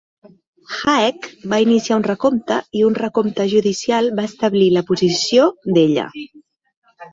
Haeck va iniciar un recompte i un recompte judicial va establir la posició d'ella.